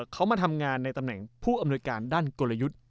เขามาทำงานในตำแหน่งผู้อำนวยการด้านกลยุทธ์